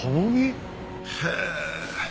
へえ。